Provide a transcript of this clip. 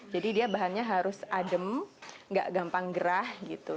jadi dia bahannya harus adem nggak gampang gerah gitu